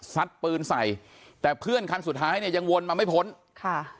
ปืนใส่แต่เพื่อนคันสุดท้ายเนี่ยยังวนมาไม่พ้นค่ะ